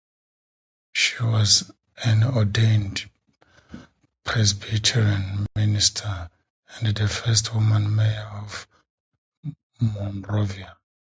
She was an ordained Presbyterian minister and the first woman mayor of Monrovia.